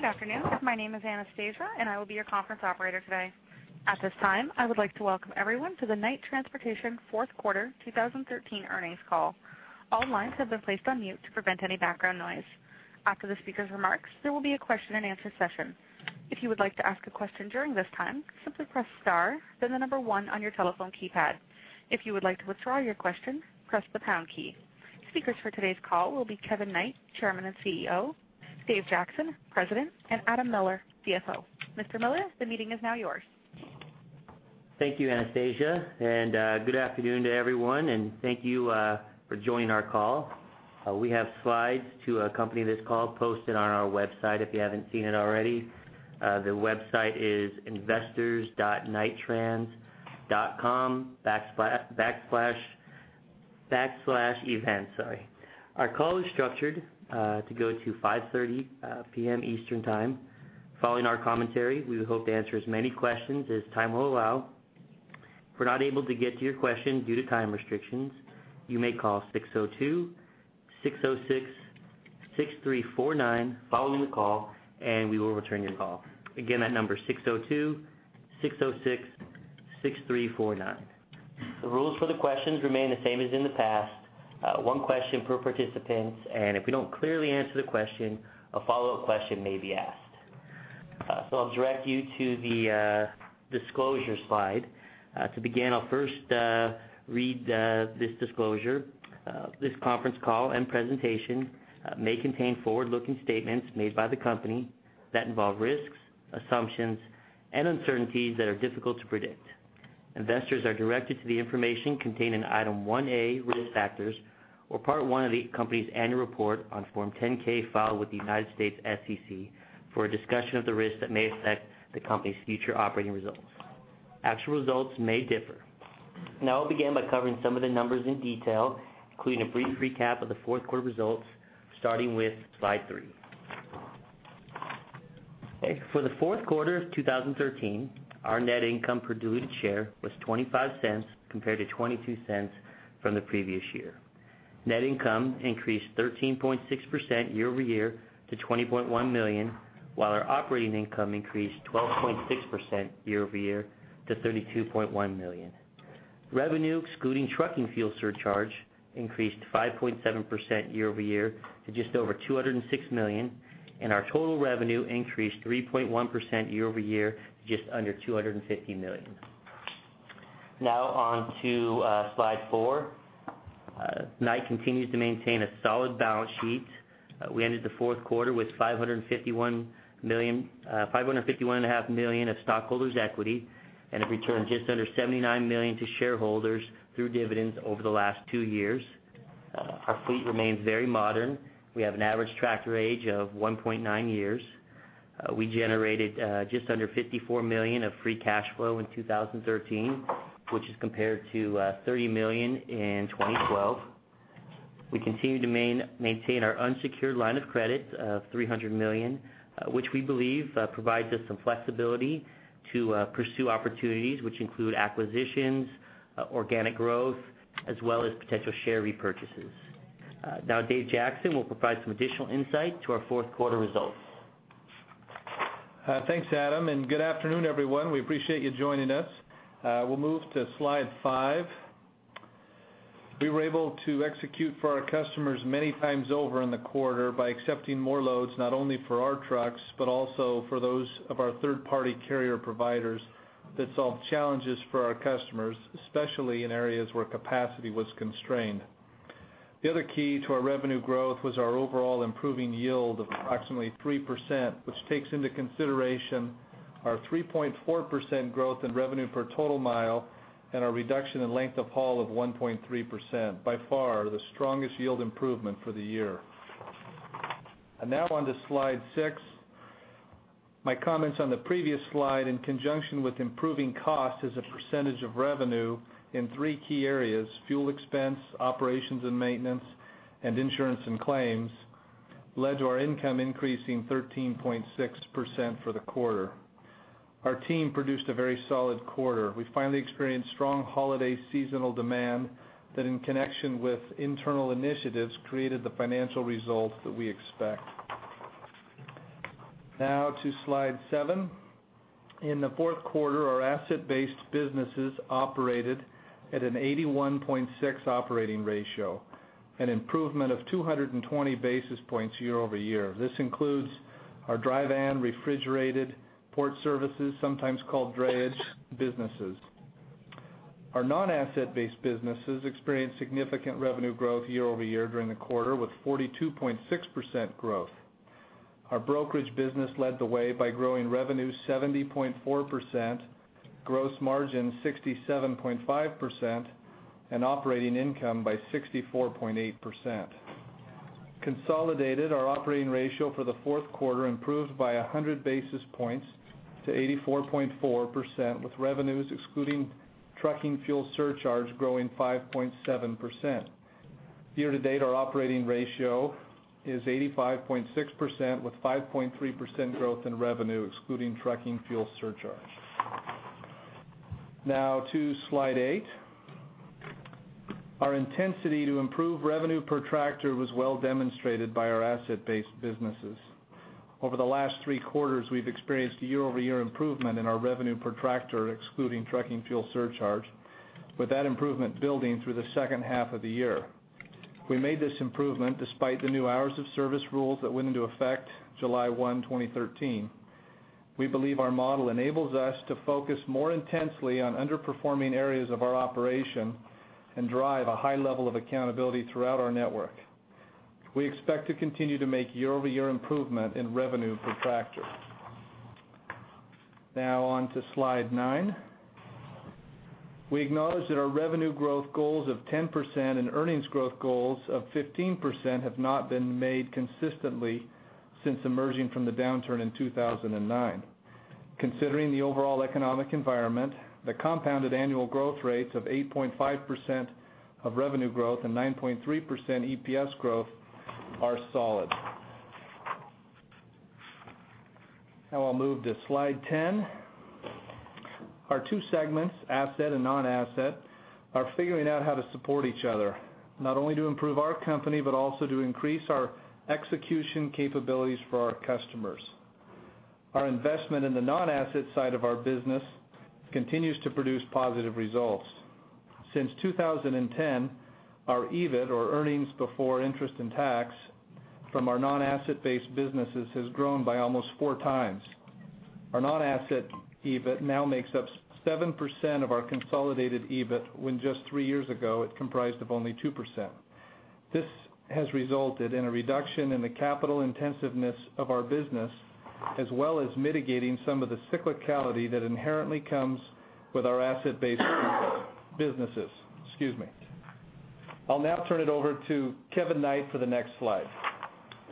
Good afternoon. My name is Anastasia, and I will be your conference operator today. At this time, I would like to welcome everyone to the Knight Transportation fourth quarter 2013 earnings call. All lines have been placed on mute to prevent any background noise. After the speaker's remarks, there will be a question-and-answer session. If you would like to ask a question during this time, simply press star, then the number one on your telephone keypad. If you would like to withdraw your question, press the pound key. Speakers for today's call will be Kevin Knight, Chairman and CEO; Dave Jackson, President; and Adam Miller, CFO. Mr. Miller, the meeting is now yours. Thank you, Anastasia, and good afternoon to everyone, and thank you for joining our call. We have slides to accompany this call posted on our website, if you haven't seen it already. The website is investors.knighttrans.com/events. Sorry. Our call is structured to go to 5:30 P.M. Eastern Time. Following our commentary, we would hope to answer as many questions as time will allow. If we're not able to get to your question due to time restrictions, you may call 602-606-6349 following the call, and we will return your call. Again, that number is 602-606-6349. The rules for the questions remain the same as in the past. One question per participant, and if we don't clearly answer the question, a follow-up question may be asked. So I'll direct you to the disclosure slide. To begin, I'll first read this disclosure. This conference call and presentation may contain forward-looking statements made by the company that involve risks, assumptions, and uncertainties that are difficult to predict. Investors are directed to the information contained in Item 1A, Risk Factors, or part one of the company's annual report on Form 10-K filed with the United States SEC for a discussion of the risks that may affect the company's future operating results. Actual results may differ. Now, I'll begin by covering some of the numbers in detail, including a brief recap of the fourth quarter results, starting with slide three. Okay. For the fourth quarter of 2013, our net income per diluted share was $0.25, compared to $0.22 from the previous year. Net income increased 13.6% year-over-year to $20.1 million, while our operating income increased 12.6% year-over-year to $32.1 million. Revenue, excluding trucking fuel surcharge, increased 5.7% year-over-year to just over $206 million, and our total revenue increased 3.1% year-over-year, to just under $250 million. Now on to slide four. Knight continues to maintain a solid balance sheet. We ended the fourth quarter with $551.5 million of stockholders' equity, and have returned just under $79 million to shareholders through dividends over the last two years. Our fleet remains very modern. We have an average tractor age of 1.9 years. We generated just under $54 million of free cash flow in 2013, which is compared to $30 million in 2012. We continue to maintain our unsecured line of credit of $300 million, which we believe provides us some flexibility to pursue opportunities, which include acquisitions, organic growth, as well as potential share repurchases. Now Dave Jackson will provide some additional insight to our fourth quarter results. Thanks, Adam, and good afternoon, everyone. We appreciate you joining us. We'll move to slide five. We were able to execute for our customers many times over in the quarter by accepting more loads, not only for our trucks, but also for those of our third-party carrier providers that solve challenges for our customers, especially in areas where capacity was constrained. The other key to our revenue growth was our overall improving yield of approximately 3%, which takes into consideration our 3.4% growth in revenue per total mile, and our reduction in length of haul of 1.3%. By far, the strongest yield improvement for the year. And now on to slide six. My comments on the previous slide, in conjunction with improving cost as a percentage of revenue in three key areas: fuel expense, operations and maintenance, and insurance and claims, led to our income increasing 13.6% for the quarter. Our team produced a very solid quarter. We finally experienced strong holiday seasonal demand that, in connection with internal initiatives, created the financial results that we expect. Now to slide seven. In the fourth quarter, our asset-based businesses operated at an 81.6 operating ratio, an improvement of 220 basis points year-over-year. This includes our dry van, refrigerated, port services, sometimes called drayage businesses. Our non-asset-based businesses experienced significant revenue growth year-over-year during the quarter, with 42.6% growth. Our brokerage business led the way by growing revenue 70.4%, gross margin 67.5%, and operating income by 64.8%. Consolidated, our operating ratio for the fourth quarter improved by 100 basis points to 84.4%, with revenues excluding trucking fuel surcharge growing 5.7%. Year to date, our operating ratio is 85.6%, with 5.3% growth in revenue, excluding trucking fuel surcharge. Now to slide eight. Our intensity to improve revenue per tractor was well demonstrated by our asset-based businesses. Over the last three quarters, we've experienced a year-over-year improvement in our revenue per tractor, excluding trucking fuel surcharge, with that improvement building through the second half of the year. We made this improvement despite the new hours of service rules that went into effect July 1, 2013. We believe our model enables us to focus more intensely on underperforming areas of our operation and drive a high level of accountability throughout our network. We expect to continue to make year-over-year improvement in revenue per tractor. Now on to slide 9. We acknowledge that our revenue growth goals of 10% and earnings growth goals of 15% have not been made consistently since emerging from the downturn in 2009. Considering the overall economic environment, the compounded annual growth rates of 8.5% of revenue growth and 9.3% EPS growth are solid. Now I'll move to slide 10. Our two segments, asset and non-asset, are figuring out how to support each other, not only to improve our company, but also to increase our execution capabilities for our customers. Our investment in the non-asset side of our business continues to produce positive results. Since 2010, our EBIT, or earnings before interest and tax, from our non-asset-based businesses has grown by almost four times. Our non-asset EBIT now makes up 7% of our consolidated EBIT, when just three years ago, it comprised of only 2%. This has resulted in a reduction in the capital intensiveness of our business, as well as mitigating some of the cyclicality that inherently comes with our asset-based businesses. Excuse me. I'll now turn it over to Kevin Knight for the next slide.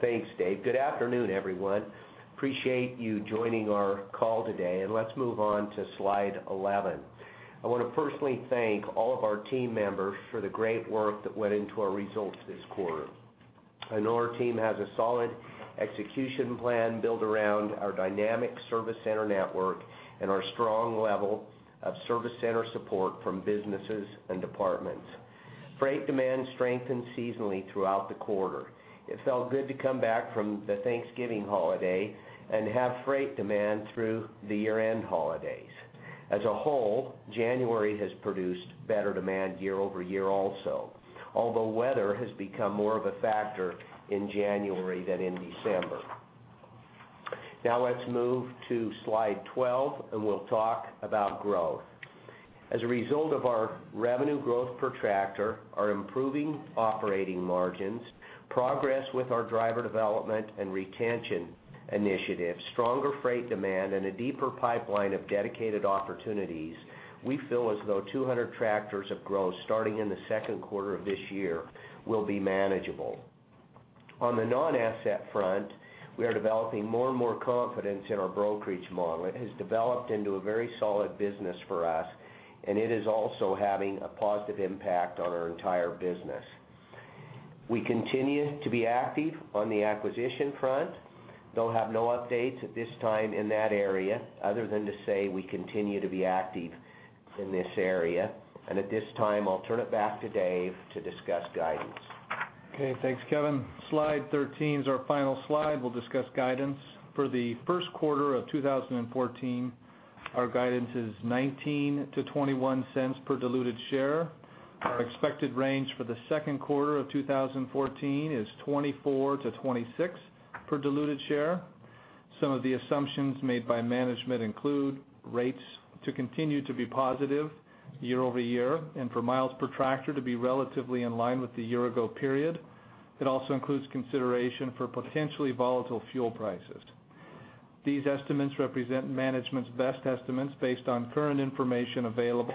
Thanks, Dave. Good afternoon, everyone. Appreciate you joining our call today, and let's move on to slide 11. I want to personally thank all of our team members for the great work that went into our results this quarter. I know our team has a solid execution plan built around our dynamic service center network and our strong level of service center support from businesses and departments. Freight demand strengthened seasonally throughout the quarter. It felt good to come back from the Thanksgiving holiday and have freight demand through the year-end holidays. As a whole, January has produced better demand year-over-year also, although weather has become more of a factor in January than in December. Now let's move to slide 12, and we'll talk about growth. As a result of our revenue growth per tractor, our improving operating margins, progress with our driver development and retention initiatives, stronger freight demand, and a deeper pipeline of dedicated opportunities, we feel as though 200 tractors of growth starting in the second quarter of this year will be manageable. On the non-asset front, we are developing more and more confidence in our brokerage model. It has developed into a very solid business for us, and it is also having a positive impact on our entire business. We continue to be active on the acquisition front, though have no updates at this time in that area, other than to say we continue to be active in this area. And at this time, I'll turn it back to Dave to discuss guidance. Okay, thanks, Kevin. Slide 13 is our final slide. We'll discuss guidance. For the first quarter of 2014, our guidance is $0.19-$0.21 per diluted share. Our expected range for the second quarter of 2014 is $0.24-$0.26 per diluted share. Some of the assumptions made by management include rates to continue to be positive year-over-year and for miles per tractor to be relatively in line with the year-ago period. It also includes consideration for potentially volatile fuel prices. These estimates represent management's best estimates based on current information available.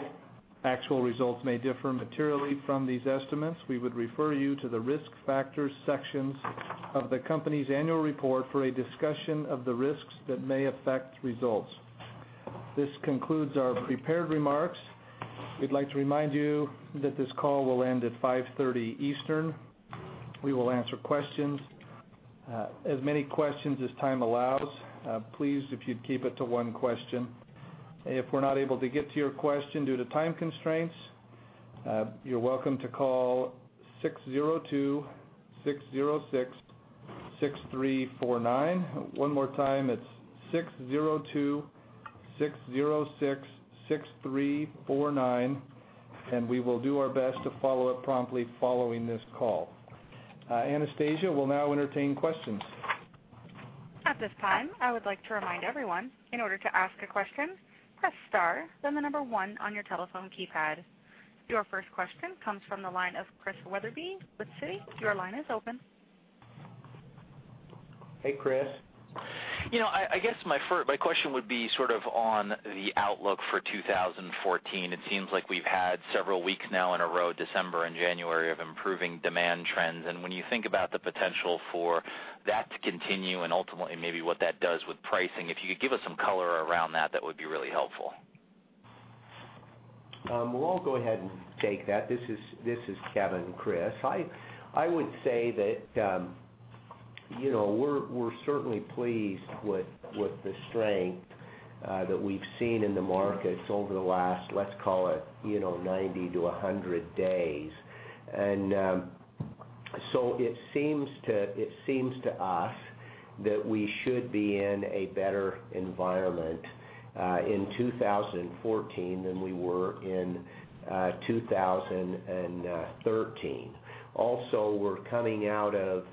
Actual results may differ materially from these estimates. We would refer you to the Risk Factors sections of the company's annual report for a discussion of the risks that may affect results. This concludes our prepared remarks. We'd like to remind you that this call will end at 5:30 P.M. Eastern. We will answer questions, as many questions as time allows. Please, if you'd keep it to one question. If we're not able to get to your question due to time constraints, you're welcome to call 602-606-6349. One more time, it's 602-606-6349, and we will do our best to follow up promptly following this call. Anastasia, we'll now entertain questions. At this time, I would like to remind everyone, in order to ask a question, press star, then the number one on your telephone keypad. Your first question comes from the line of Chris Wetherbee with Citi. Your line is open. Hey, Chris. You know, I guess my question would be sort of on the outlook for 2014. It seems like we've had several weeks now in a row, December and January, of improving demand trends. And when you think about the potential for that to continue and ultimately maybe what that does with pricing, if you could give us some color around that, that would be really helpful. Well, I'll go ahead and take that. This is, this is Kevin, Chris. I, I would say that, you know, we're, we're certainly pleased with, with the strength that we've seen in the markets over the last, let's call it, you know, 90-100 days. And, so it seems to, it seems to us that we should be in a better environment in 2014 than we were in 2013. Also, we're coming out of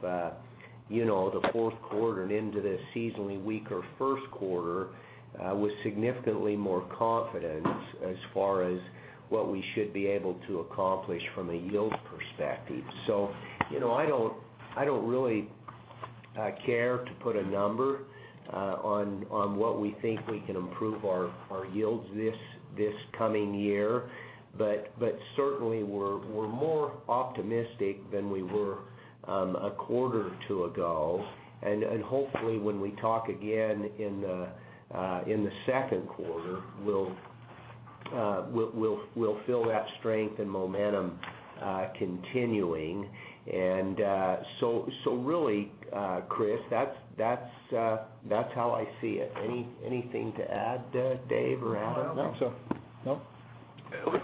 you know, the fourth quarter and into the seasonally weaker first quarter with significantly more confidence as far as what we should be able to accomplish from a yield perspective. So, you know, I don't really care to put a number on what we think we can improve our yields this coming year, but certainly we're more optimistic than we were a quarter or two ago. Hopefully, when we talk again in the second quarter, we'll feel that strength and momentum continuing. So really, Chris, that's how I see it. Anything to add there, Dave or Adam? I don't think so. No.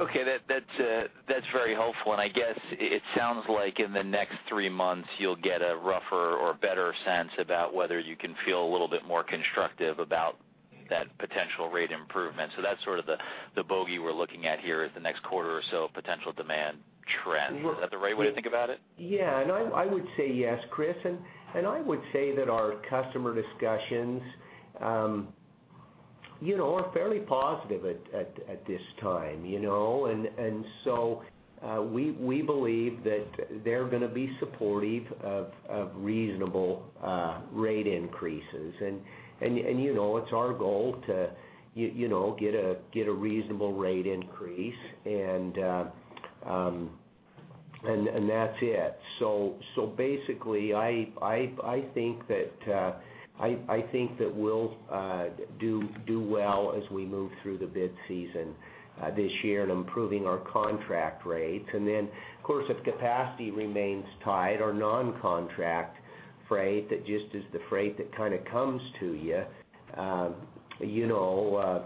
Okay, that's very helpful. And I guess it sounds like in the next three months, you'll get a rougher or better sense about whether you can feel a little bit more constructive about that potential rate improvement. So that's sort of the bogey we're looking at here is the next quarter or so, potential demand trend. Is that the right way to think about it? Yeah. And I would say yes, Chris, and I would say that our customer discussions, you know, are fairly positive at this time, you know? And so, we believe that they're gonna be supportive of reasonable rate increases. And, you know, it's our goal to, you know, get a reasonable rate increase, and that's it. So basically, I think that we'll do well as we move through the bid season this year in improving our contract rates. And then, of course, if capacity remains tight, our non-contract freight, that just is the freight that kind of comes to you, you know,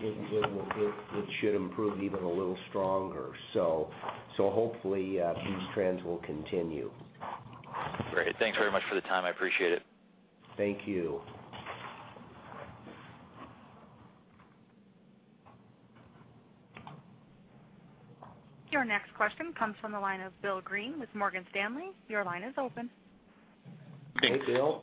it should improve even a little stronger. So hopefully, these trends will continue. Great. Thanks very much for the time. I appreciate it. Thank you. Your next question comes from the line of Bill Greene with Morgan Stanley. Your line is open. Hey, Bill.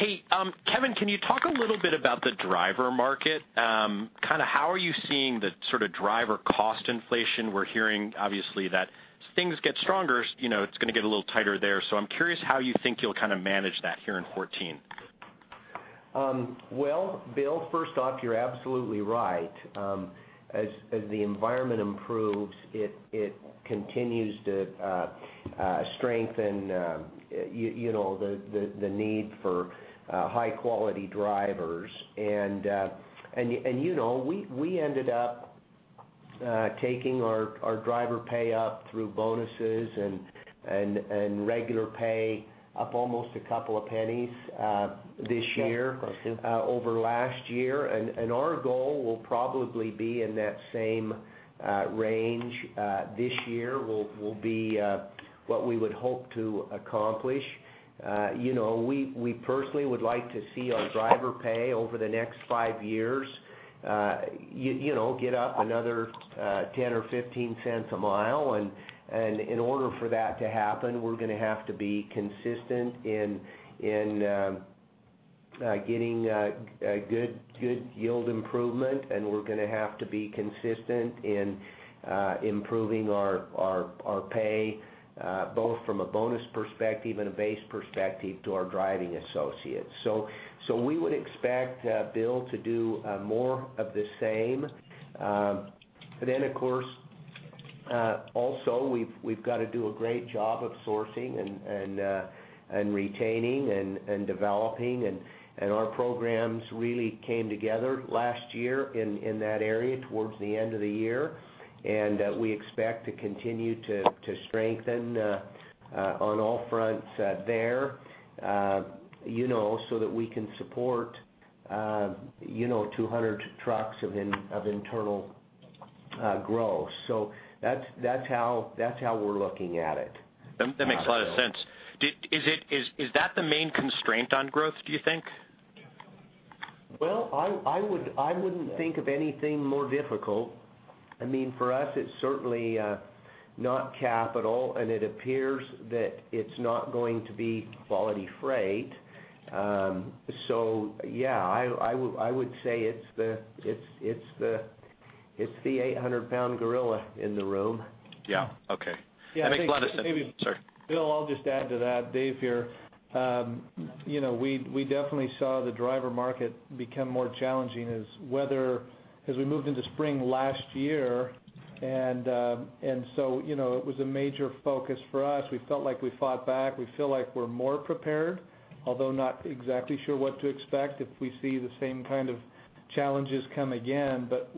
Hey, Kevin, can you talk a little bit about the driver market? Kind of how are you seeing the sort of driver cost inflation? We're hearing, obviously, that things get stronger, you know, it's gonna get a little tighter there. So I'm curious how you think you'll kind of manage that here in 2014. Well, Bill, first off, you're absolutely right. As the environment improves, it continues to strengthen, you know, the need for high-quality drivers. And you know, we ended up taking our driver pay up through bonuses and regular pay up almost a couple of pennies this year over last year. And our goal will probably be in that same range, this year, will be what we would hope to accomplish. You know, we personally would like to see our driver pay over the next five years, you know, get up another $0.10 or $0.15 a mile. And in order for that to happen, we're gonna have to be consistent in getting a good yield improvement, and we're gonna have to be consistent in improving our pay, both from a bonus perspective and a base perspective to our driving associates. So we would expect, Bill, to do more of the same. But then, of course, also, we've got to do a great job of sourcing and retaining and developing, and our programs really came together last year in that area towards the end of the year. And we expect to continue to strengthen on all fronts there, you know, so that we can support, you know, 200 trucks of internal growth. So that's how we're looking at it. That makes a lot of sense. Is that the main constraint on growth, do you think? Well, I would not think of anything more difficult. I mean, for us, it's certainly not capital, and it appears that it's not going to be quality freight. So yeah, I would say it's the 800-pound gorilla in the room. Yeah. Okay. Makes a lot of- Yeah, I think, maybe- Sorry. Bill, I'll just add to that. Dave here. You know, we definitely saw the driver market become more challenging as we moved into spring last year. And so, you know, it was a major focus for us. We felt like we fought back. We feel like we're more prepared, although not exactly sure what to expect if we see the same kind of challenges come again. But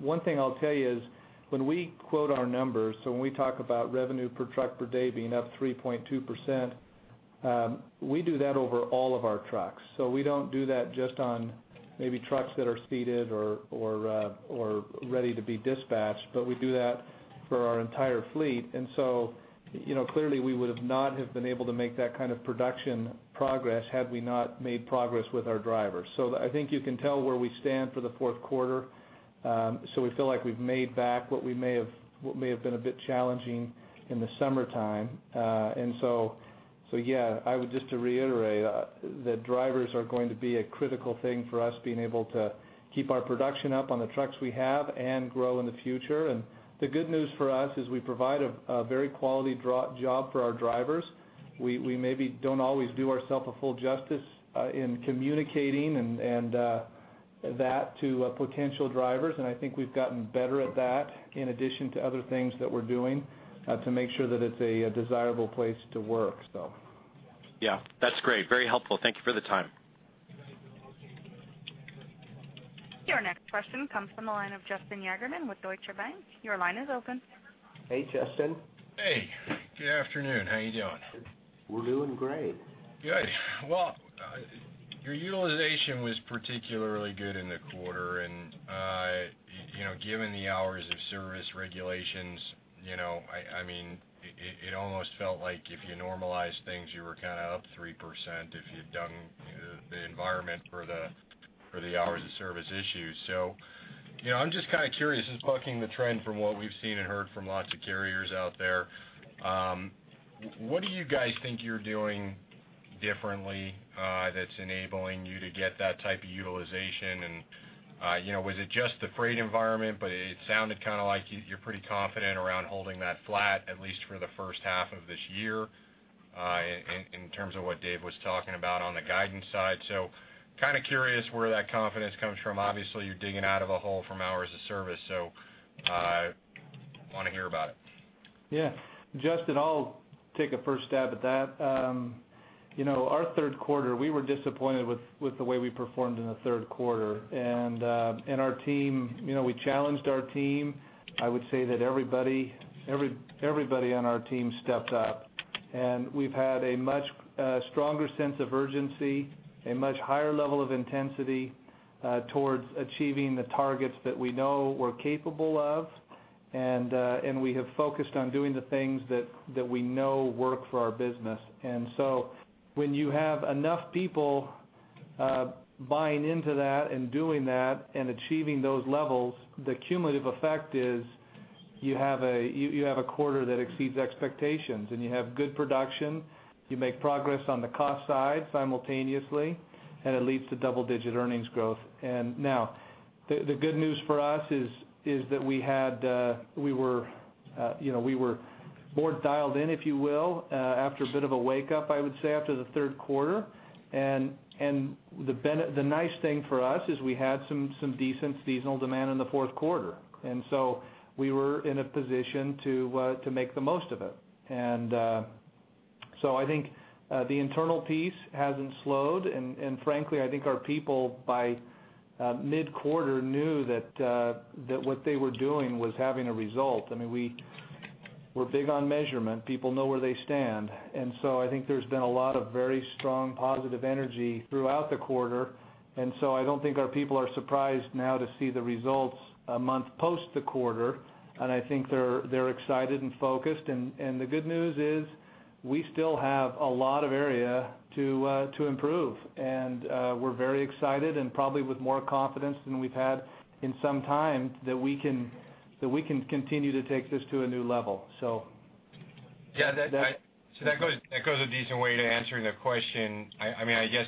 one thing I'll tell you is, when we quote our numbers, so when we talk about revenue per truck per day being up 3.2%, we do that over all of our trucks. So we don't do that just on maybe trucks that are seated or ready to be dispatched, but we do that for our entire fleet. And so, you know, clearly, we would not have been able to make that kind of production progress had we not made progress with our drivers. So I think you can tell where we stand for the fourth quarter. So we feel like we've made back what we may have, what may have been a bit challenging in the summertime. And so yeah, I would just to reiterate that drivers are going to be a critical thing for us being able to keep our production up on the trucks we have and grow in the future. And the good news for us is we provide a very quality driver job for our drivers. We maybe don't always do ourself a full justice in communicating and that to potential drivers, and I think we've gotten better at that, in addition to other things that we're doing to make sure that it's a desirable place to work, so. Yeah, that's great. Very helpful. Thank you for the time. Your next question comes from the line of Justin Yagerman with Deutsche Bank. Your line is open. Hey, Justin. Hey, good afternoon. How are you doing? We're doing great. Good. Well, your utilization was particularly good in the quarter, and, you know, given the hours of service regulations, you know, I mean, it almost felt like if you normalize things, you were kind of up 3% if you'd done, you know, the environment for the hours of service issues. So, you know, I'm just kind of curious, this is bucking the trend from what we've seen and heard from lots of carriers out there. What do you guys think you're doing differently, that's enabling you to get that type of utilization? And, you know, was it just the freight environment, but it sounded kind of like you're pretty confident around holding that flat, at least for the first half of this year, in terms of what Dave was talking about on the guidance side. Kind of curious where that confidence comes from. Obviously, you're digging out of a hole from hours of service, so want to hear about it. Yeah. Justin, I'll take a first stab at that. You know, our third quarter, we were disappointed with the way we performed in the third quarter. And our team, you know, we challenged our team. I would say that everybody on our team stepped up, and we've had a much stronger sense of urgency, a much higher level of intensity towards achieving the targets that we know we're capable of, and we have focused on doing the things that we know work for our business. And so when you have enough people buying into that and doing that and achieving those levels, the cumulative effect is you have a quarter that exceeds expectations, and you have good production, you make progress on the cost side simultaneously, and it leads to double-digit earnings growth. And now, the good news for us is that we were, you know, more dialed in, if you will, after a bit of a wake up, I would say, after the third quarter. And the nice thing for us is we had some decent seasonal demand in the fourth quarter, and so we were in a position to make the most of it. So I think the internal piece hasn't slowed, and frankly, I think our people, by mid-quarter, knew that what they were doing was having a result. I mean, we, we're big on measurement. People know where they stand. I think there's been a lot of very strong, positive energy throughout the quarter, and so I don't think our people are surprised now to see the results a month post the quarter. I think they're excited and focused. The good news is, we still have a lot of area to improve, and we're very excited and probably with more confidence than we've had in some time, that we can continue to take this to a new level, so. Yeah, so that goes a decent way to answering the question. I mean, I guess,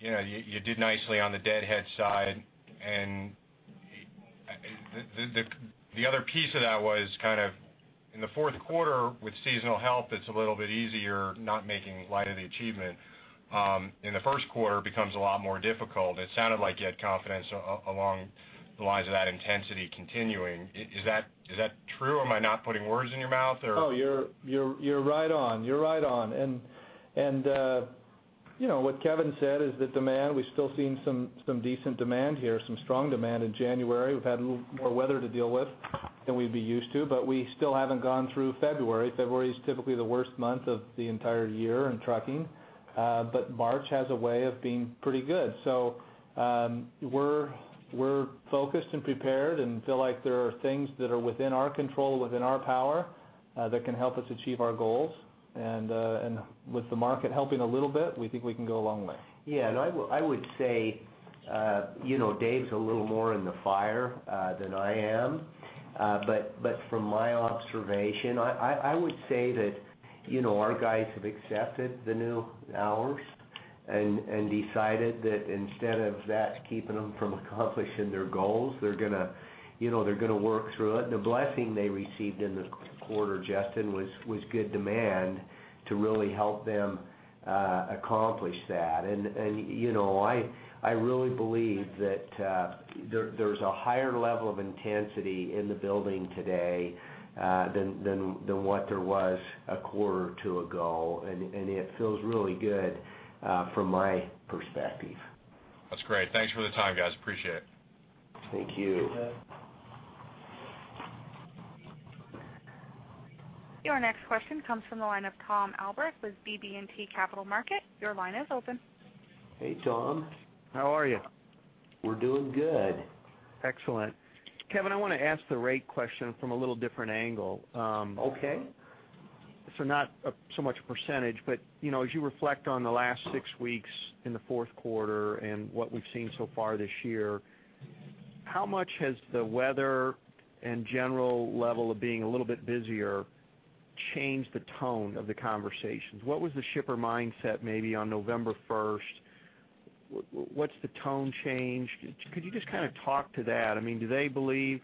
you know, you did nicely on the deadhead side, and the other piece of that was kind of in the fourth quarter, with seasonal help, it's a little bit easier, not making light of the achievement. In the first quarter, it becomes a lot more difficult. It sounded like you had confidence along the lines of that intensity continuing. Is that true, or am I not putting words in your mouth? Oh, you're right on. And you know, what Kevin said is that demand, we've still seen some decent demand here, some strong demand in January. We've had a little more weather to deal with than we'd be used to, but we still haven't gone through February. February is typically the worst month of the entire year in trucking, but March has a way of being pretty good. So, we're focused and prepared and feel like there are things that are within our control, within our power, that can help us achieve our goals. And with the market helping a little bit, we think we can go a long way. Yeah, and I would say, you know, Dave's a little more in the fire than I am. But from my observation, I would say that, you know, our guys have accepted the new hours and decided that instead of that keeping them from accomplishing their goals, they're going to, you know, they're going to work through it. The blessing they received in the quarter, Justin, was good demand to really help them accomplish that. And, you know, I really believe that there's a higher level of intensity in the building today than what there was a quarter or two ago, and it feels really good from my perspective. That's great. Thanks for the time, guys. Appreciate it. Thank you. Your next question comes from the line of Tom Albrecht with BB&T Capital Markets. Your line is open. Hey, Tom. How are you? We're doing good. Excellent. Kevin, I want to ask the rate question from a little different angle. Okay. So not so much percentage, but you know, as you reflect on the last six weeks in the fourth quarter and what we've seen so far this year, how much has the weather and general level of being a little bit busier changed the tone of the conversations? What was the shipper mindset maybe on November first? What's the tone change? Could you just kind of talk to that? I mean, do they believe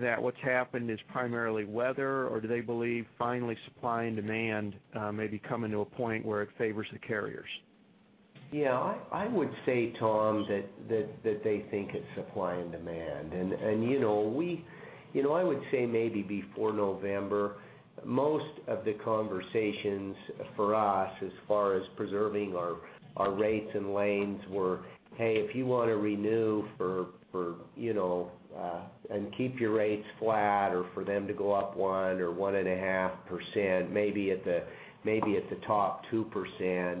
that what's happened is primarily weather, or do they believe finally, supply and demand may be coming to a point where it favors the carriers? Yeah. I would say, Tom, that they think it's supply and demand. And you know, we- you know, I would say maybe before November, most of the conversations for us, as far as preserving our rates and lanes, were, "Hey, if you want to renew for, you know, and keep your rates flat, or for them to go up 1% or 1.5%, maybe at the top, 2%,"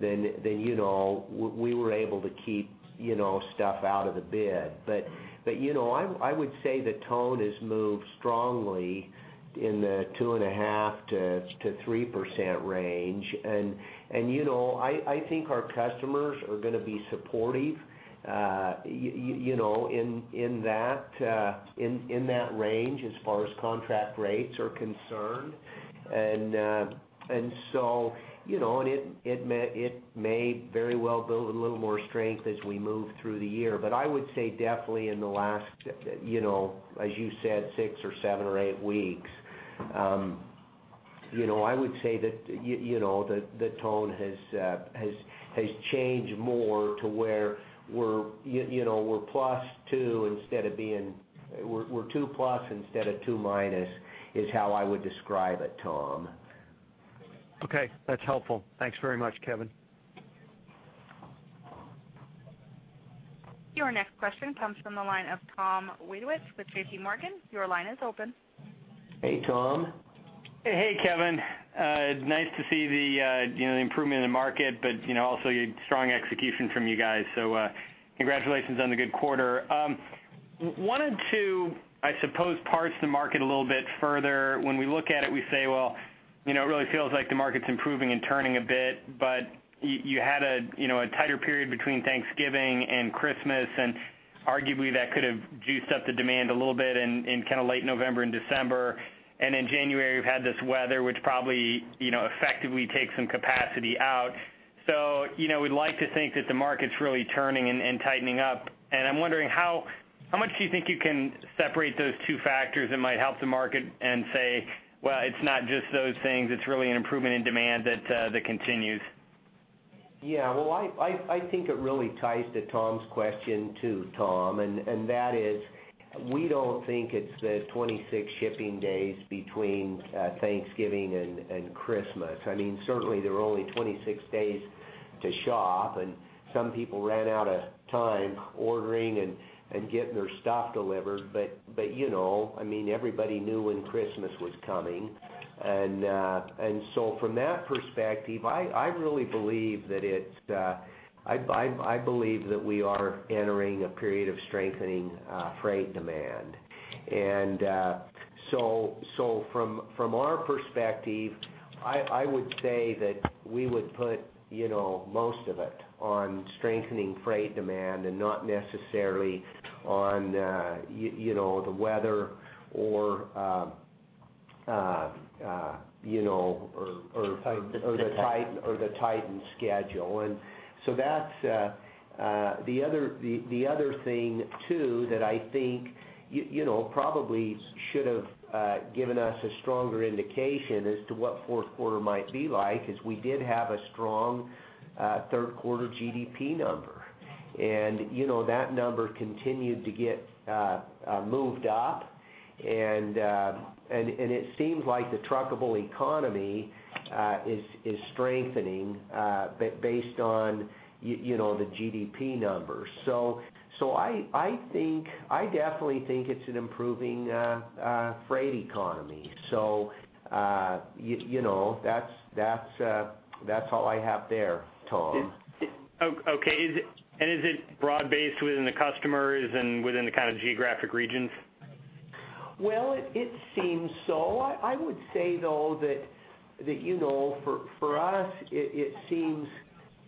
then you know, we were able to keep you know, stuff out of the bid. But you know, I would say the tone has moved strongly in the 2.5%-3% range. You know, I think our customers are gonna be supportive, you know, in that range as far as contract rates are concerned. So, you know, it may very well build a little more strength as we move through the year. But I would say definitely in the last, you know, as you said, six or seven or eight weeks, you know, I would say that, you know, the tone has changed more to where we're, you know, we're 2+ instead of 2-, is how I would describe it, Tom. Okay, that's helpful. Thanks very much, Kevin. Your next question comes from the line of Tom Wadewitz with JPMorgan. Your line is open. Hey, Tom. Hey, Kevin. Nice to see the, you know, the improvement in the market, but, you know, also your strong execution from you guys. So, congratulations on the good quarter. Wanted to, I suppose, parse the market a little bit further. When we look at it, we say, well, you know, it really feels like the market's improving and turning a bit, but you had a, you know, a tighter period between Thanksgiving and Christmas, and arguably, that could have juiced up the demand a little bit in kind of late November and December. And in January, we've had this weather, which probably, you know, effectively takes some capacity out. So, you know, we'd like to think that the market's really turning and tightening up. I'm wondering: how, how much do you think you can separate those two factors that might help the market and say, "Well, it's not just those things, it's really an improvement in demand that, that continues? Yeah. Well, I think it really ties to Tom's question, too, Tom, and that is, we don't think it's the 26 shipping days between Thanksgiving and Christmas. I mean, certainly there are only 26 days to shop, and some people ran out of time ordering and getting their stuff delivered. But, you know, I mean, everybody knew when Christmas was coming. And so from that perspective, I really believe that it's I believe that we are entering a period of strengthening freight demand. And so from our perspective, I would say that we would put, you know, most of it on strengthening freight demand and not necessarily on you know, the weather or, you know, or, or- or the tight, or the tightened schedule. And so that's the other, the other thing, too, that I think, you know, probably should have given us a stronger indication as to what fourth quarter might be like, is we did have a strong third quarter GDP number. And, you know, that number continued to get moved up, and, and it seems like the truckable economy is strengthening based on you know, the GDP numbers. So, so I think, I definitely think it's an improving freight economy. So, you know, that's all I have there, Tom. Okay, is it, and is it broad-based within the customers and within the kind of geographic regions? Well, it seems so. I would say, though, that, you know, for us, it seems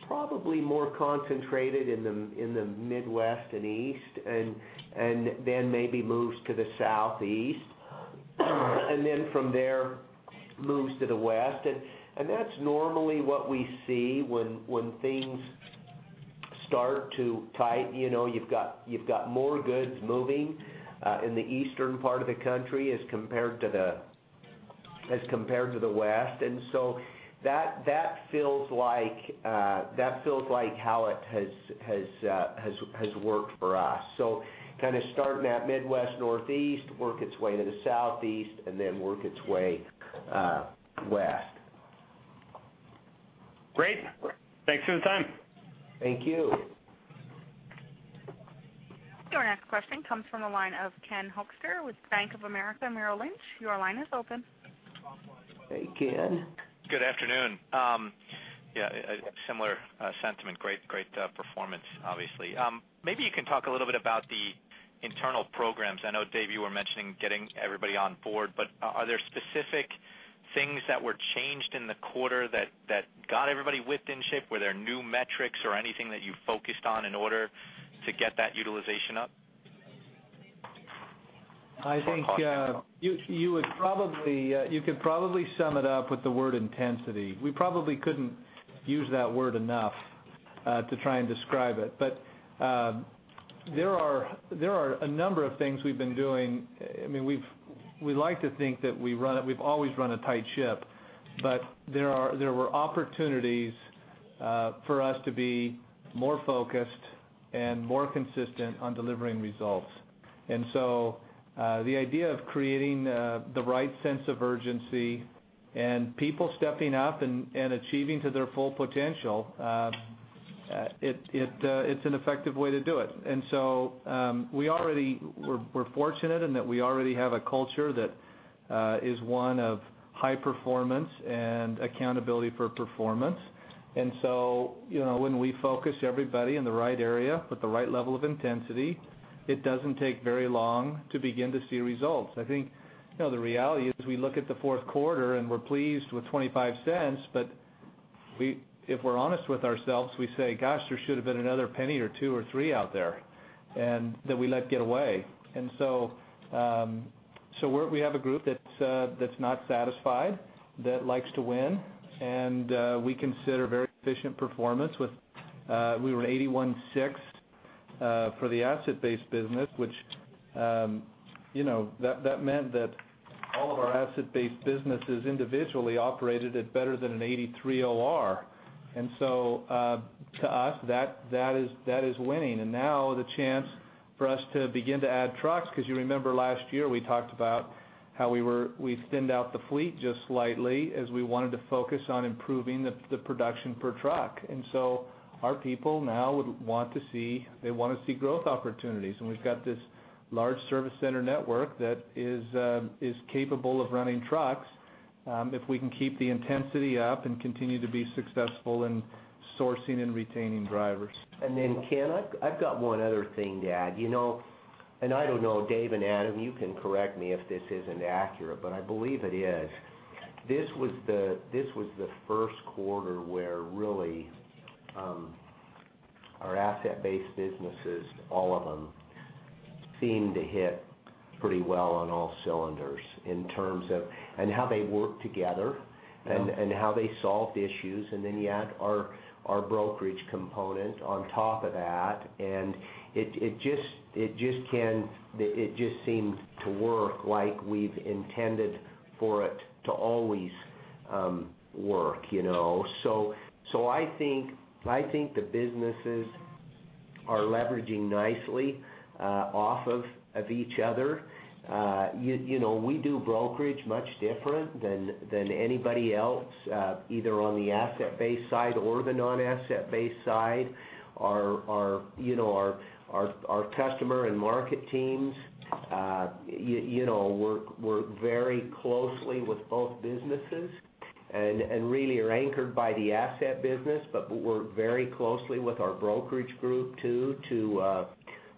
probably more concentrated in the Midwest and East, and then maybe moves to the Southeast, and then from there, moves to the West. And that's normally what we see when things start to tighten. You know, you've got more goods moving in the Eastern part of the country as compared to the West. And so that feels like how it has worked for us. So kind of starting that Midwest, Northeast, work its way to the Southeast, and then work its way West. Great! Thanks for the time. Thank you. Your next question comes from the line of Ken Hoexter with Bank of America Merrill Lynch. Your line is open. Hey, Ken. Good afternoon. Yeah, a similar sentiment. Great, great performance, obviously. Maybe you can talk a little bit about the internal programs. I know, Dave, you were mentioning getting everybody on board, but are there specific things that were changed in the quarter that got everybody whipped in shape? Were there new metrics or anything that you focused on in order to get that utilization up? I think you would probably you could probably sum it up with the word intensity. We probably couldn't use that word enough to try and describe it. But there are a number of things we've been doing. I mean, we like to think that we run it. We've always run a tight ship, but there were opportunities for us to be more focused and more consistent on delivering results. And so, the idea of creating the right sense of urgency and people stepping up and achieving to their full potential, it's an effective way to do it. And so, we're fortunate in that we already have a culture that is one of high performance and accountability for performance. And so, you know, when we focus everybody in the right area with the right level of intensity, it doesn't take very long to begin to see results. I think, you know, the reality is, we look at the fourth quarter, and we're pleased with $0.25, but if we're honest with ourselves, we say, "Gosh, there should have been another penny or two or three out there, and that we let get away." And so, so we have a group that's not satisfied, that likes to win, and we consider very efficient performance with we were 81.6 for the asset-based business, which, you know, that meant that all of our asset-based businesses individually operated at better than an 83 OR. And so, to us, that is winning. Now the chance for us to begin to add trucks, 'cause you remember last year, we talked about how we thinned out the fleet just slightly as we wanted to focus on improving the production per truck. So our people now would want to see, they wanna see growth opportunities. We've got this large service center network that is capable of running trucks, if we can keep the intensity up and continue to be successful in sourcing and retaining drivers. And then, Ken, I've got one other thing to add. You know, and I don't know, Dave and Adam, you can correct me if this isn't accurate, but I believe it is. This was the first quarter where really our asset-based businesses, all of them, seemed to hit pretty well on all cylinders in terms of, and how they work together- Yeah... and how they solved issues, and then you add our brokerage component on top of that, and it just can—it just seems to work like we've intended for it to always work, you know? So I think the businesses are leveraging nicely off of each other. You know, we do brokerage much different than anybody else, either on the asset-based side or the non-asset-based side. Our, you know, our customer and market teams, you know, work very closely with both businesses and really are anchored by the asset business. But we work very closely with our brokerage group, too, to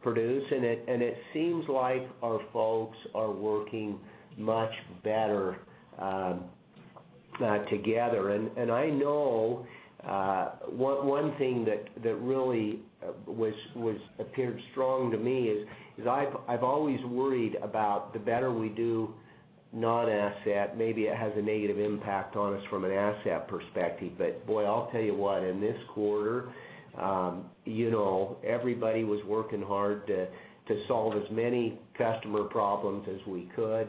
produce, and it seems like our folks are working much better together. I know one thing that really appeared strong to me is I've always worried about the better we do non-asset, maybe it has a negative impact on us from an asset perspective. But boy, I'll tell you what, in this quarter, you know, everybody was working hard to solve as many customer problems as we could.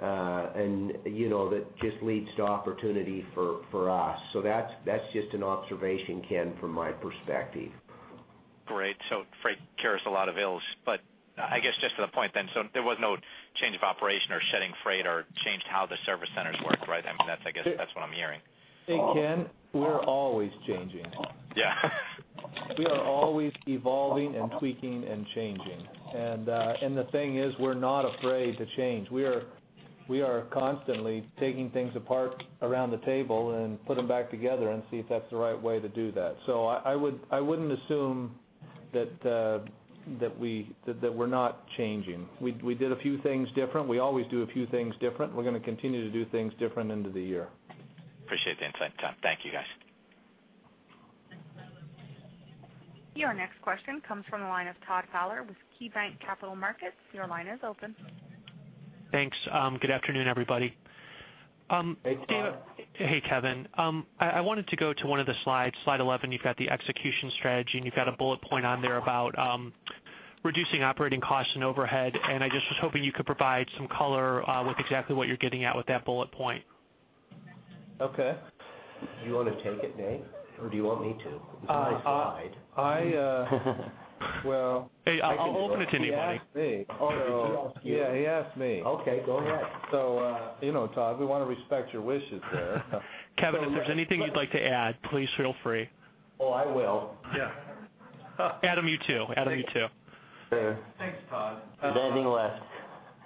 And, you know, that just leads to opportunity for us. So that's just an observation, Ken, from my perspective. Great. So freight cures a lot of ills. But I guess just to the point then, so there was no change of operation or shedding freight or changed how the service centers worked, right? I mean, that's, I guess that's what I'm hearing. Hey, Ken, we're always changing. Yeah. We are always evolving and tweaking and changing. And, and the thing is, we're not afraid to change. We are, we are constantly taking things apart around the table and put them back together and see if that's the right way to do that. So I, I would, I wouldn't assume that, that we, that, that we're not changing. We, we did a few things different. We always do a few things different. We're going to continue to do things different into the year. Appreciate the insights. Thank you, guys. Your next question comes from the line of Todd Fowler with KeyBanc Capital Markets. Your line is open. Thanks. Good afternoon, everybody. Dave- Hey, Todd. Hey, Kevin. I wanted to go to one of the slides. Slide 11, you've got the execution strategy, and you've got a bullet point on there about reducing operating costs and overhead. I just was hoping you could provide some color with exactly what you're getting at with that bullet point. Okay. Do you want to take it, Dave, or do you want me to? It's my slide. I, well- Hey, I'll open it to anybody. He asked me. Oh, did he ask you? Yeah, he asked me. Okay, go ahead. So, you know, Todd, we want to respect your wishes there. Kevin, if there's anything you'd like to add, please feel free. Oh, I will. Adam, you too. Adam, you too. Thanks, Todd. Anything less.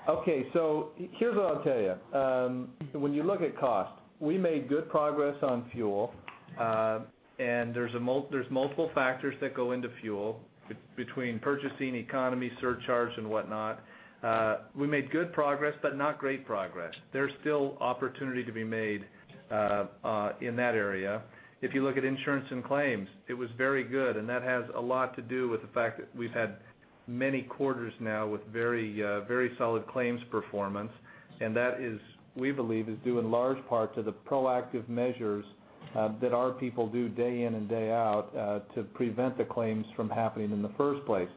Okay, so here's what I'll tell you. When you look at cost, we made good progress on fuel, and there's multiple factors that go into fuel, between purchasing, economy, surcharge, and whatnot. We made good progress, but not great progress. There's still opportunity to be made in that area. If you look at insurance and claims, it was very good, and that has a lot to do with the fact that we've had many quarters now with very solid claims performance, and that is, we believe, due in large part to the proactive measures that our people do day in and day out to prevent the claims from happening in the first place.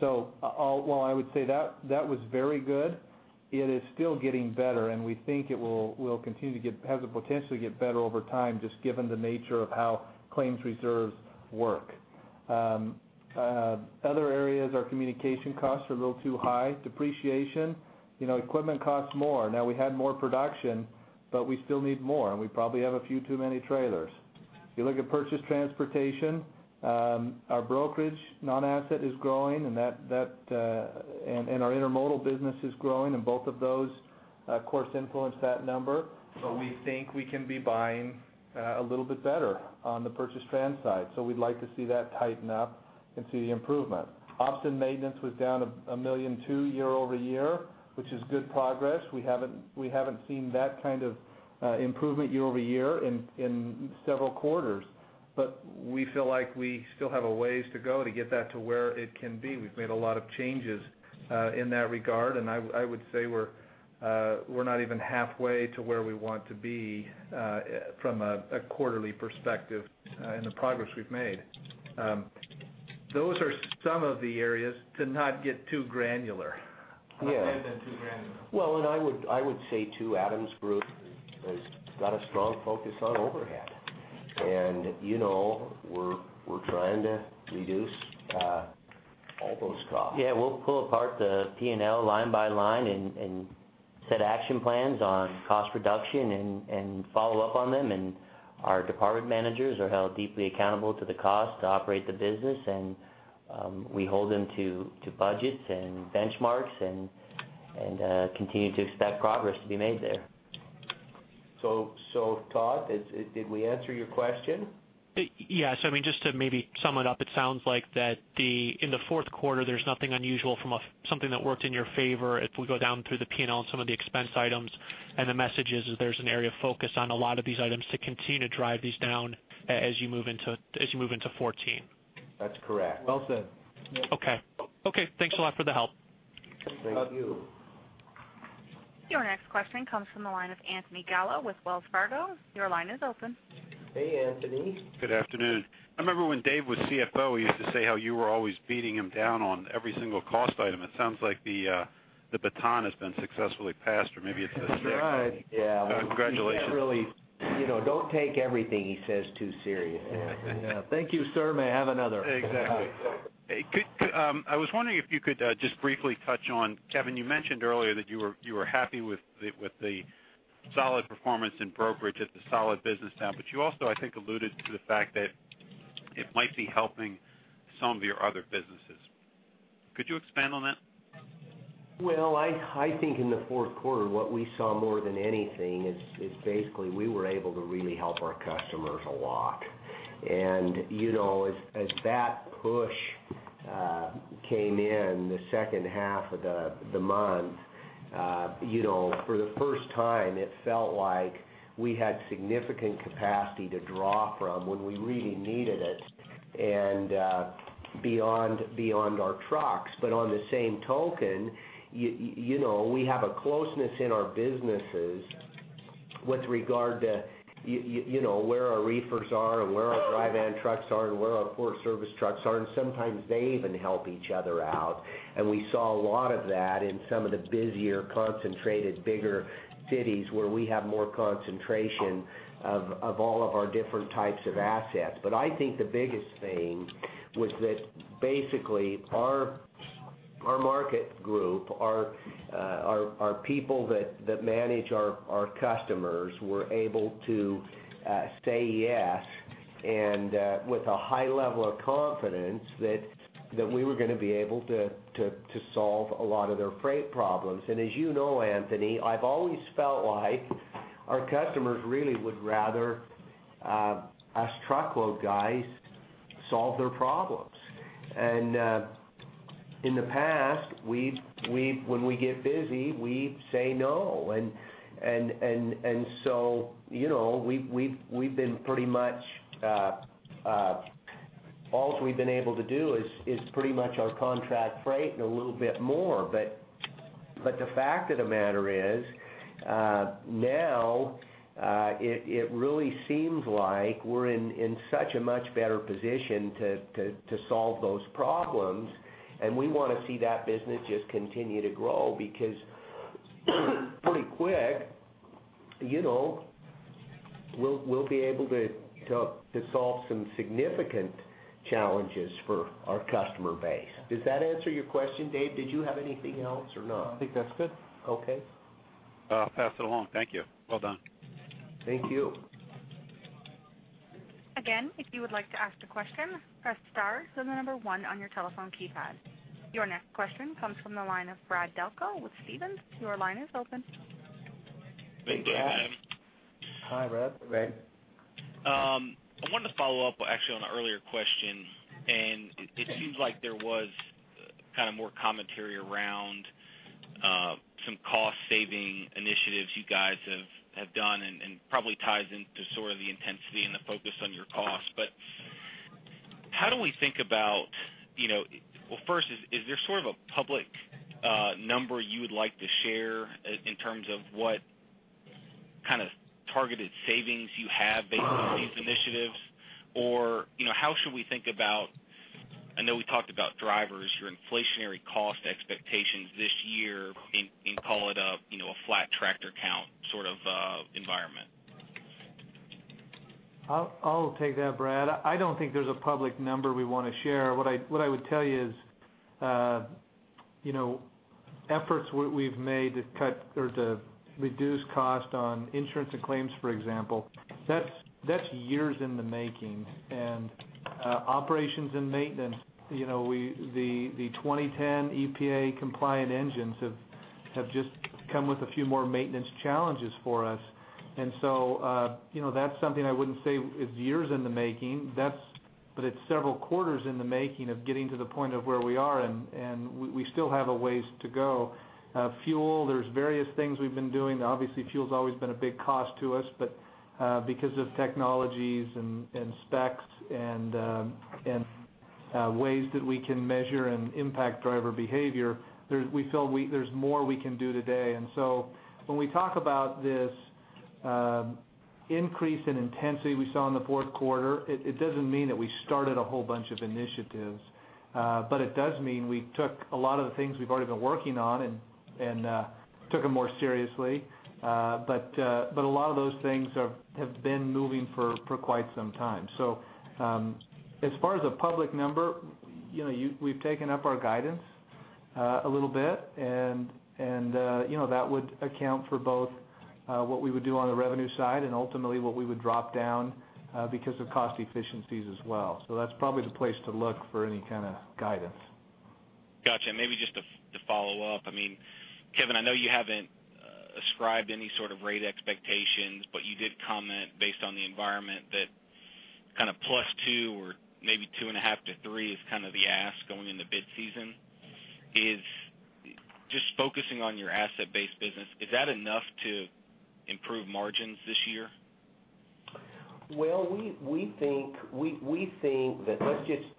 So, while I would say that was very good, it is still getting better, and we think it has the potential to get better over time, just given the nature of how claims reserves work. Other areas, our communication costs are a little too high. Depreciation, you know, equipment costs more. Now we had more production, but we still need more, and we probably have a few too many trailers. If you look at purchase transportation, our brokerage, non-asset, is growing, and that and our intermodal business is growing, and both of those, of course, influence that number. But we think we can be buying a little bit better on the purchase trans side, so we'd like to see that tighten up and see the improvement. Operations and maintenance was down $1.2 million year-over-year, which is good progress. We haven't seen that kind of improvement year-over-year in several quarters, but we feel like we still have a ways to go to get that to where it can be. We've made a lot of changes in that regard, and I would say we're not even halfway to where we want to be from a quarterly perspective in the progress we've made. Those are some of the areas to not get too granular. Yeah. I'll add then, too granular. Well, I would say, too, Adam's group has got a strong focus on overhead, and, you know, we're trying to reduce all those costs. Yeah, we'll pull apart the P&L line by line and set action plans on cost reduction and follow up on them. Our department managers are held deeply accountable to the cost to operate the business, and we hold them to budgets and benchmarks and continue to expect progress to be made there. So, Todd, did we answer your question? Yes. I mean, just to maybe sum it up, it sounds like, in the fourth quarter, there's nothing unusual from a something that worked in your favor. If we go down through the P&L and some of the expense items, and the message is there's an area of focus on a lot of these items to continue to drive these down as you move into 2014. That's correct. Well said. Okay. Okay, thanks a lot for the help. Thank you. Your next question comes from the line of Anthony Gallo with Wells Fargo. Your line is open. Hey, Anthony. Good afternoon. I remember when Dave was CFO, he used to say how you were always beating him down on every single cost item. It sounds like the baton has been successfully passed, or maybe it's the- Right. Yeah. Congratulations. He's not really, you know, don't take everything he says too seriously. Yeah. Thank you, sir. May I have another? Exactly. Hey, I was wondering if you could just briefly touch on, Kevin, you mentioned earlier that you were happy with the solid performance in brokerage and the solid business now, but you also, I think, alluded to the fact that it might be helping some of your other businesses. Could you expand on that? Well, I think in the fourth quarter, what we saw more than anything is basically we were able to really help our customers a lot. And, you know, as that push came in the second half of the month, you know, for the first time, it felt like we had significant capacity to draw from when we really needed it, and beyond our trucks. But on the same token, you know, we have a closeness in our businesses with regard to, you know, where our reefers are and where our dry van trucks are and where our core service trucks are, and sometimes they even help each other out. And we saw a lot of that in some of the busier, concentrated, bigger cities, where we have more concentration of all of our different types of assets. But I think the biggest thing was that, basically, our market group, our people that manage our customers were able to say yes, and with a high level of confidence that we were going to be able to solve a lot of their freight problems. And as you know, Anthony, I've always felt like our customers really would rather us truckload guys solve their problems. And in the past, we've -- when we get busy, we say no. And so, you know, we've been pretty much all we've been able to do is pretty much our contract freight and a little bit more. But the fact of the matter is, now, it really seems like we're in such a much better position to solve those problems, and we want to see that business just continue to grow, because pretty quick, you know, we'll be able to solve some significant challenges for our customer base. Does that answer your question, Dave? Did you have anything else or not? I think that's good. Okay. I'll pass it along. Thank you. Well done. Thank you. Again, if you would like to ask a question, press star, then the number one on your telephone keypad. Your next question comes from the line of Brad Delco with Stephens. Your line is open. Thank you. Hi, Brad. I wanted to follow up actually on an earlier question, and it seems like there was kind of more commentary around some cost-saving initiatives you guys have done and probably ties into sort of the intensity and the focus on your cost. But how do we think about, you know, well, first, is there sort of a public number you would like to share in terms of what kind of targeted savings you have based on these initiatives? Or, you know, how should we think about... I know we talked about drivers, your inflationary cost expectations this year, in call it a, you know, a flat-tractor-count sort of environment. I'll take that, Brad. I don't think there's a public number we want to share. What I would tell you is, you know, efforts we've made to cut or to reduce cost on insurance and claims, for example, that's years in the making. And, operations and maintenance, you know, we, the 2010 EPA compliant engines have just come with a few more maintenance challenges for us. And so, you know, that's something I wouldn't say is years in the making. That's but it's several quarters in the making of getting to the point of where we are, and we still have a ways to go. Fuel, there's various things we've been doing. Obviously, fuel's always been a big cost to us, but because of technologies and specs and ways that we can measure and impact driver behavior, there's more we can do today. And so when we talk about this increase in intensity we saw in the fourth quarter, it doesn't mean that we started a whole bunch of initiatives, but it does mean we took a lot of the things we've already been working on and took them more seriously. But a lot of those things have been moving for quite some time. So, as far as a public number, you know, we've taken up our guidance a little bit, and you know, that would account for both what we would do on the revenue side and ultimately what we would drop down because of cost efficiencies as well. So that's probably the place to look for any kind of guidance. Gotcha. Maybe just to follow up. I mean, Kevin, I know you haven't ascribed any sort of rate expectations, but you did comment, based on the environment, that kind of +2% or maybe 2.5%-3% is kind of the ask going in the bid season. Is just focusing on your asset-based business, is that enough to improve margins this year? Well, we think that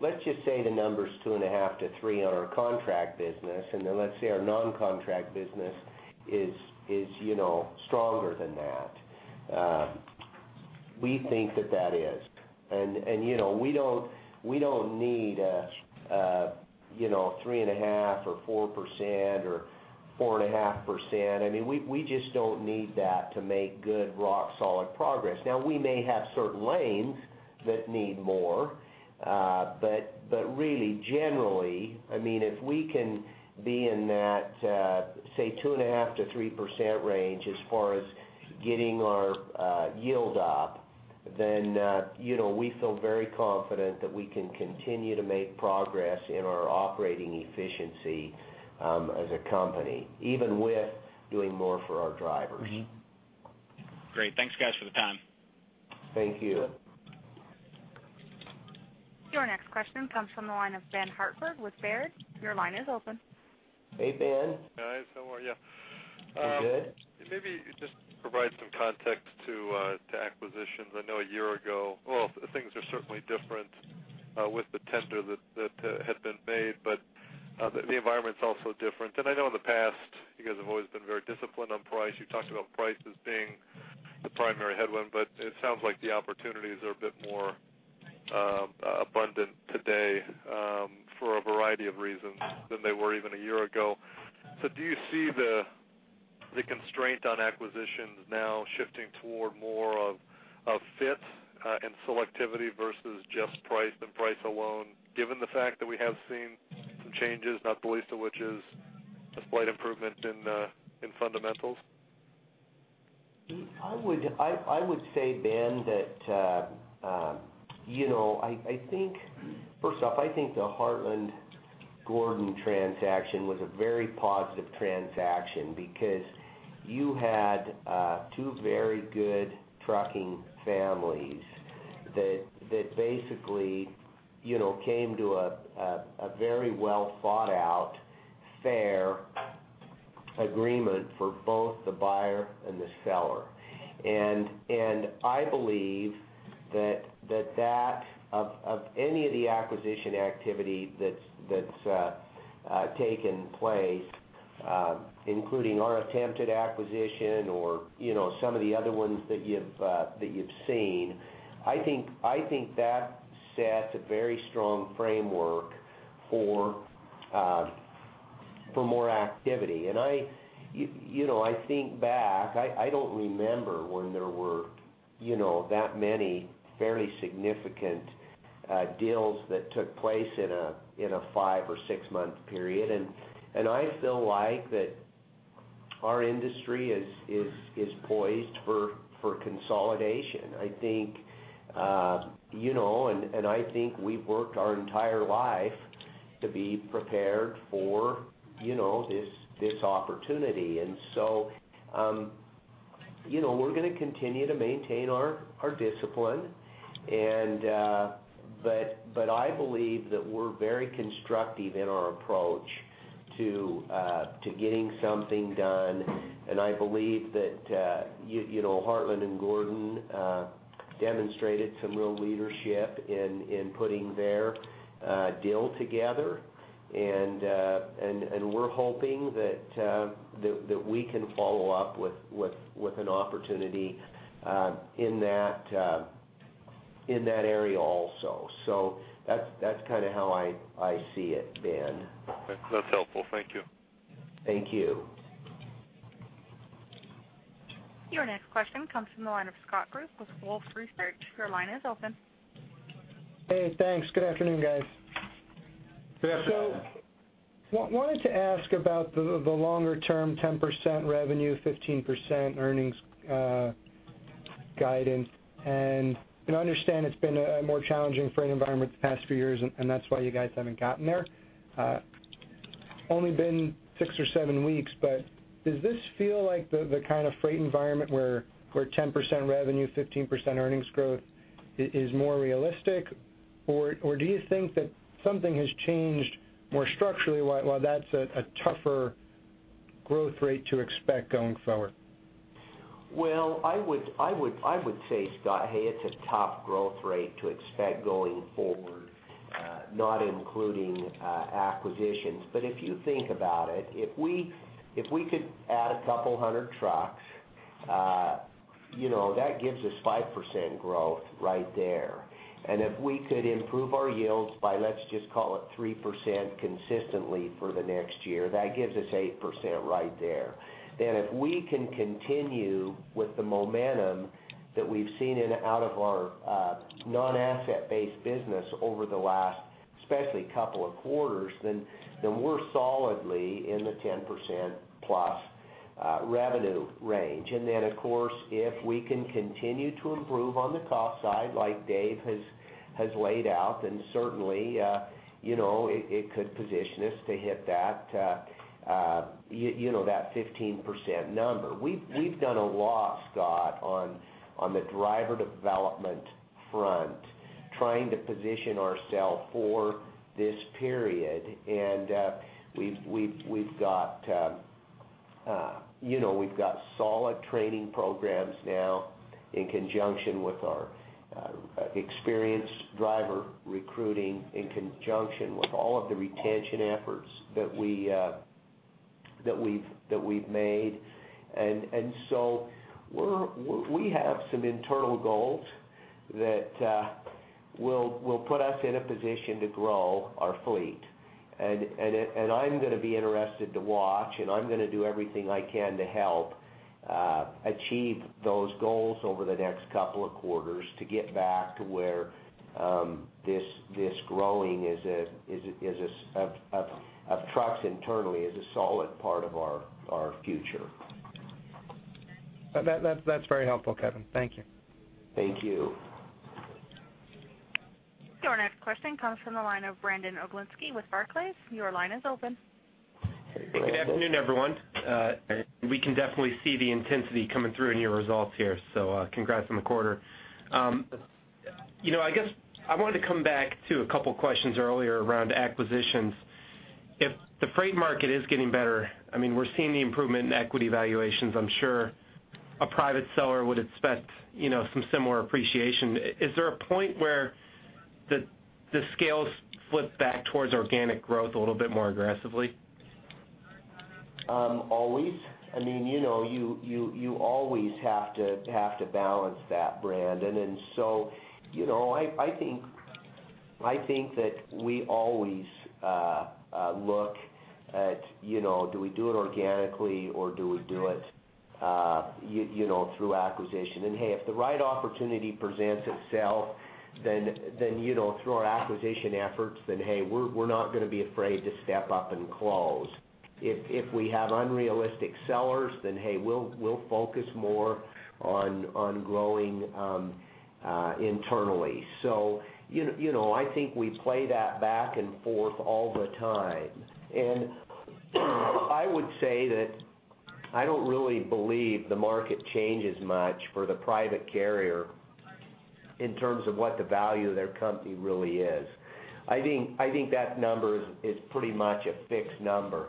let's just say the number's 2.5%-3% on our contract business, and then let's say our non-contract business is, you know, stronger than that. We think that is, and, you know, we don't need a, you know, 3.5% or 4% or 4.5%. I mean, we just don't need that to make good, rock solid progress. Now, we may have certain lanes that need more, but really, generally, I mean, if we can be in that, say, 2.5%-3% range as far as getting our yield up, then, you know, we feel very confident that we can continue to make progress in our operating efficiency, as a company, even with doing more for our drivers. Mm-hmm. Great. Thanks, guys, for the time. Thank you. Your next question comes from the line of Ben Hartford with Baird. Your line is open. Hey, Ben. Guys, how are you? Good. Maybe just provide some context to acquisitions. I know a year ago, well, things are certainly different with the tester that had been made, but the environment's also different. And I know in the past, you guys have always been very disciplined on price. You talked about prices being the primary headwind, but it sounds like the opportunities are a bit more abundant today for a variety of reasons than they were even a year ago. So do you see the constraint on acquisitions now shifting toward more of fit and selectivity versus just price and price alone, given the fact that we have seen some changes, not the least of which is a slight improvement in fundamentals? I would say, Ben, that you know, I think first off, I think the Heartland-Gordon transaction was a very positive transaction because you had two very good trucking families that basically you know came to a very well thought out, fair agreement for both the buyer and the seller. And I believe that of any of the acquisition activity that's taken place, including our attempted acquisition or you know some of the other ones that you've seen, I think that sets a very strong framework for more activity. And I you know I think back, I don't remember when there were you know that many fairly significant deals that took place in a five or six-month period. I feel like that our industry is poised for consolidation. I think, you know, we've worked our entire life to be prepared for, you know, this opportunity. And so, you know, we're gonna continue to maintain our discipline, and but I believe that we're very constructive in our approach to getting something done. And I believe that, you know, Heartland and Gordon demonstrated some real leadership in putting their deal together. And we're hoping that we can follow up with an opportunity in that area also. So that's kinda how I see it, Ben. That's helpful. Thank you. Thank you. Your next question comes from the line of Scott Group with Wolfe Research. Your line is open. Hey, thanks. Good afternoon, guys. Good afternoon. So wanted to ask about the longer-term 10% revenue, 15% earnings guidance. I understand it's been a more challenging freight environment the past few years, and that's why you guys haven't gotten there. Only been six or seven weeks, but does this feel like the kind of freight environment where 10% revenue, 15% earnings growth is more realistic? Or do you think that something has changed more structurally, while that's a tougher growth rate to expect going forward? Well, I would say, Scott, hey, it's a tough growth rate to expect going forward, not including acquisitions. But if you think about it, if we could add a couple-hundred trucks, you know, that gives us 5% growth right there. And if we could improve our yields by, let's just call it 3% consistently for the next year, that gives us 8% right there. Then, if we can continue with the momentum that we've seen in out of our non-asset-based business over the last, especially couple of quarters, then we're solidly in the 10%+ revenue range. And then, of course, if we can continue to improve on the cost side, like Dave has laid out, then certainly, you know, it could position us to hit that, you know, that 15% number. We've done a lot, Scott, on the driver development front, trying to position ourselves for this period. And we've got solid training programs now in conjunction with our experienced driver recruiting, in conjunction with all of the retention efforts that we've made. And so we're -- we have some internal goals that will put us in a position to grow our fleet. I'm gonna be interested to watch, and I'm gonna do everything I can to help achieve those goals over the next couple of quarters to get back to where this growing as a sort of trucks internally is a solid part of our future. That's very helpful, Kevin. Thank you. Thank you. Your next question comes from the line of Brandon Oglenski with Barclays. Your line is open. Good afternoon, everyone. We can definitely see the intensity coming through in your results here, so, congrats on the quarter. You know, I guess I wanted to come back to a couple questions earlier around acquisitions. If the freight market is getting better, I mean, we're seeing the improvement in equity valuations, I'm sure a private seller would expect, you know, some similar appreciation. Is there a point where the scales flip back towards organic growth a little bit more aggressively? Always. I mean, you know, you always have to balance that, Brandon. And so, you know, I think that we always look at, you know, do we do it organically, or do we do it through acquisition? And, hey, if the right opportunity presents itself, then you know, through our acquisition efforts, then, hey, we're not gonna be afraid to step up and close. If we have unrealistic sellers, then, hey, we'll focus more on growing internally. So, you know, I think we play that back and forth all the time. And I would say that I don't really believe the market changes much for the private carrier in terms of what the value of their company really is. I think that number is pretty much a fixed number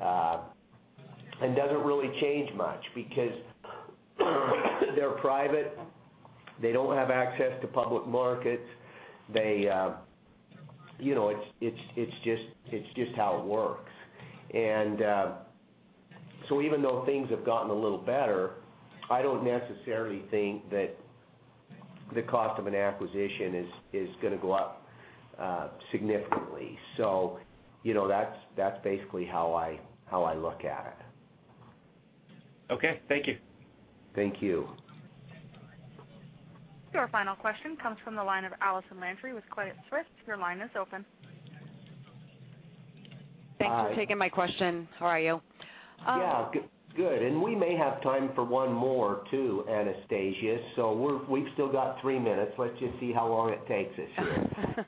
and doesn't really change much because they're private, they don't have access to public markets. You know, it's just how it works. So even though things have gotten a little better, I don't necessarily think that the cost of an acquisition is gonna go up significantly. So you know, that's basically how I look at it.... Okay, thank you. Thank you. Your final question comes from the line of Allison Landry with Credit Suisse. Your line is open. Thanks for taking my question. How are you? Yeah, good. And we may have time for one more, too, Anastasia, so we're, we've still got three minutes. Let's just see how long it takes this year.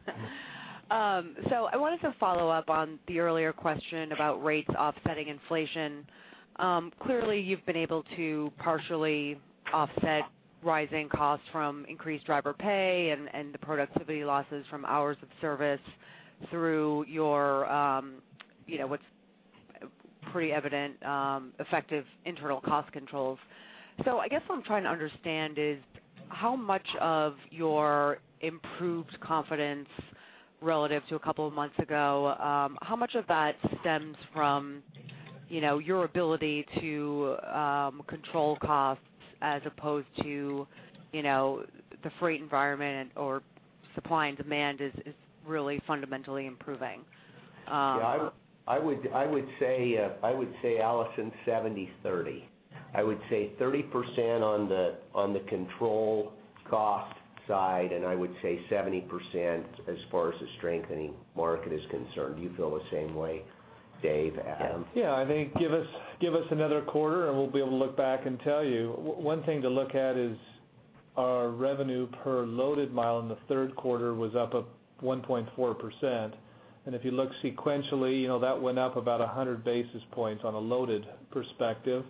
So I wanted to follow up on the earlier question about rates offsetting inflation. Clearly, you've been able to partially offset rising costs from increased driver pay and the productivity losses from hours of service through your, you know, what's pretty evident, effective internal cost controls. So I guess what I'm trying to understand is, how much of your improved confidence relative to a couple of months ago, how much of that stems from, you know, your ability to control costs as opposed to, you know, the freight environment or supply and demand is really fundamentally improving? Yeah, I would say, Allison, 70/30. I would say 30% on the control cost side, and I would say 70% as far as the strengthening market is concerned. Do you feel the same way, Dave, Adam? Yeah. I think give us, give us another quarter, and we'll be able to look back and tell you. One thing to look at is our revenue per loaded mile in the third quarter was up 1.4%. And if you look sequentially, you know, that went up about 100 basis points on a loaded perspective.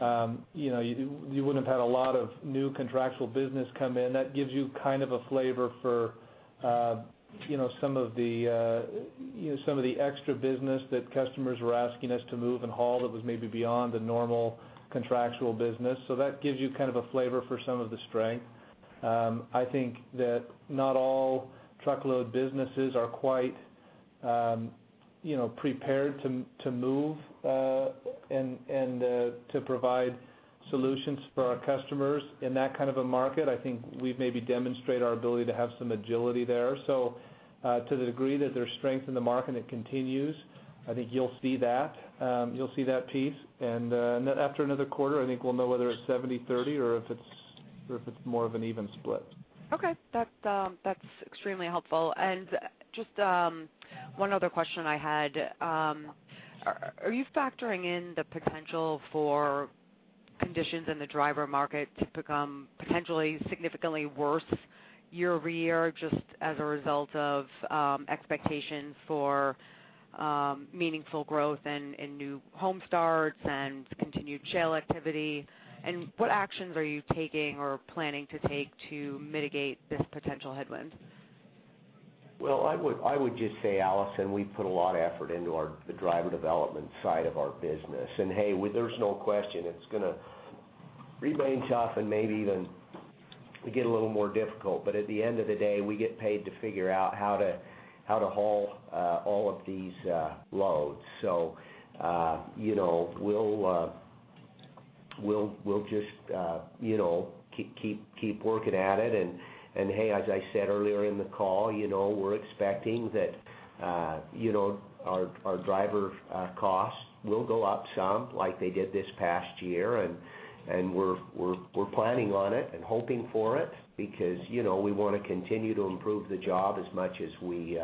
You know, you wouldn't have had a lot of new contractual business come in. That gives you kind of a flavor for, you know, some of the, you know, some of the extra business that customers were asking us to move and haul that was maybe beyond the normal contractual business. So that gives you kind of a flavor for some of the strength. I think that not all truckload businesses are quite, you know, prepared to move and to provide solutions for our customers in that kind of a market. I think we've maybe demonstrated our ability to have some agility there. So, to the degree that there's strength in the market, and it continues, I think you'll see that. You'll see that piece, and then after another quarter, I think we'll know whether it's 70/30 or if it's more of an even split. Okay. That, that's extremely helpful. And just, one other question I had. Are you factoring in the potential for conditions in the driver market to become potentially significantly worse year-over-year, just as a result of expectations for meaningful growth and, and new home starts and continued shale activity? And what actions are you taking or planning to take to mitigate this potential headwind? Well, I would just say, Allison, we put a lot of effort into our, the driver development side of our business. And, hey, there's no question it's going to remain tough and maybe even get a little more difficult. But at the end of the day, we get paid to figure out how to haul all of these loads. So, you know, we'll just you know, keep working at it. And, hey, as I said earlier in the call, you know, we're expecting that, you know, our driver costs will go up some, like they did this past year, and we're planning on it and hoping for it because, you know, we want to continue to improve the job as much as we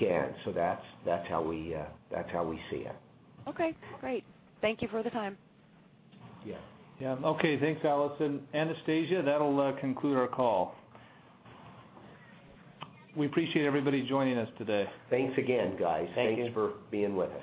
can. So that's how we see it. Okay, great. Thank you for the time. Yeah. Yeah. Okay, thanks, Allison. Anastasia, that'll conclude our call. We appreciate everybody joining us today. Thanks again, guys. Thank you. Thanks for being with us.